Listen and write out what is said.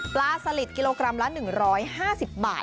สลิดกิโลกรัมละ๑๕๐บาท